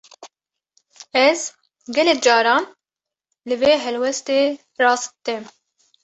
Ez, gelek caran li vê helwestê rast têm